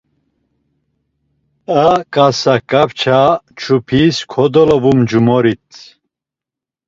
A ǩasa kapça çupis kodolovomcumorit.